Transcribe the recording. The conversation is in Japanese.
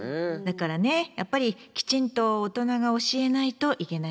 だからねやっぱりきちんと大人が教えないといけないことよね。